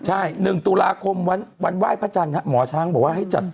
ใช่๑ตุลาคมวันไหว้พระจันทร์หมอช้างบอกว่าให้จัด